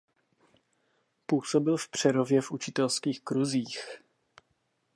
Působil v Přerově v učitelských kruzích.